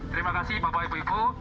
terima kasih bapak ibu ibu